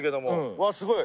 うわすごい。